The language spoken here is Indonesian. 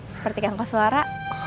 seperti kang koswara